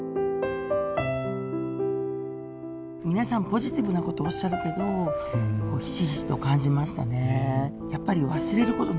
皆さんポジティブなことをおっしゃるけどひしひしと感じましたね。